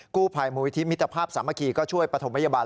กู้ภัยมูลิธิมิตรภาพสามัคคีก็ช่วยประถมพยาบาล